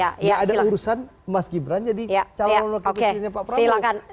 jadi gak ada urusan mas gibran jadi calon calon presidennya pak prabowo